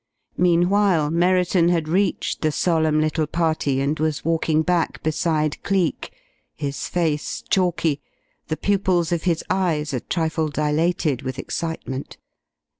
Meanwhile Merriton had reached the solemn little party and was walking back beside Cleek, his face chalky, the pupils of his eyes a trifle dilated with excitement.